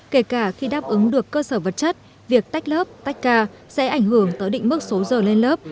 kể cả khi đáp ứng được cơ sở vật chất việc tách lớp tách ca sẽ ảnh hưởng tới định mức số giờ lên lớp